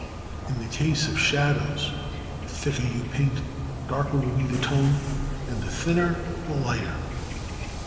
In the case of the shadows the thicker you paint the darker will be the tone; and the thinner, the lighter.